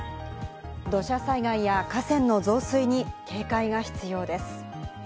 土砂災害や河川の増水に警戒が必要です。